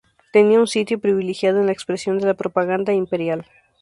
Tenía un sitio privilegiado en la expresión de la propaganda imperial.